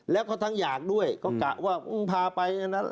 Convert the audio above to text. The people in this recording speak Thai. แล้วก็ทั้งอยากด้วยก็กะว่ามึงพาไปนะ